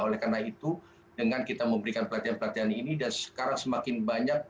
oleh karena itu dengan kita memberikan pelatihan pelatihan ini dan sekarang semakin banyak